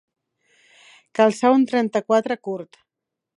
Calçar un trenta-quatre curt.